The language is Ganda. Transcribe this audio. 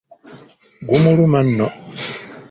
Gumuluma nno.